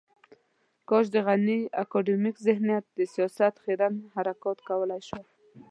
کاش د غني اکاډمیک ذهنیت د سياست خیرن حرکات کولای شوای.